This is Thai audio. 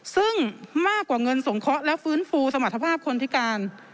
ซึ่งมากกว่าเงินสงเคราะห์และฟื้นฟูสมรรถภาพคนพิการ